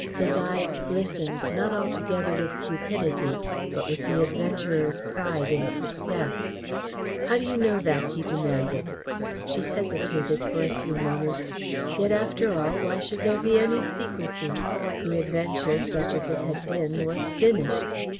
His eyes glistened, not altogether with cupidity, but with the adventurer's pride in success. "How do you know that?" he demanded. She hesitated for a few moments. Yet, after all, why should there be any secrecy? The adventure, such as it had been, was finished.